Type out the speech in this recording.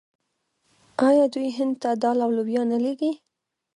آیا دوی هند ته دال او لوبیا نه لیږي؟